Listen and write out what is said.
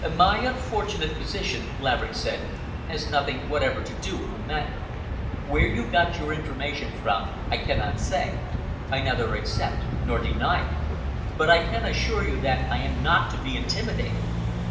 "My unfortunate position," Laverick said, "has nothing whatever to do with the matter. Where you got your information from I cannot say. I neither accept nor deny it. But I can assure you that I am not to be intimidated.